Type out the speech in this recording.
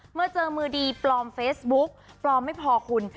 เมื่อเจอมือดีปลอมเฟซบุ๊กปลอมไม่พอคุณ